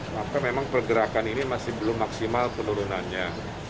maka memang pergerakan ini masih belum maksimal penurunannya